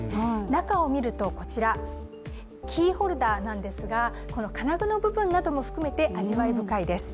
中を見ると、キーホルダーなんですが、金具の部分なども含めて味わい深いです。